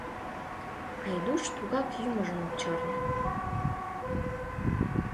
Айдуш тугак йӱмыжым ок чарне.